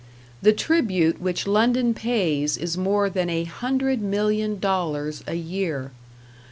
The tribute which London pays is more than a hundred million dollars a year.